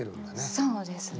そうですね。